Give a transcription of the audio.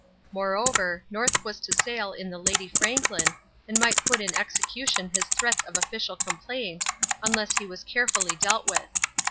Moreover, North was to sail in the Lady Franklin, and might put in execution his threats of official complaint, unless he was carefully dealt with.